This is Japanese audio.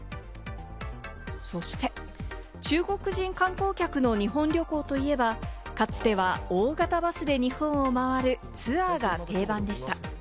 そして、中国人観光客の日本旅行といえば、かつては大型バスで日本を回るツアーが定番でした。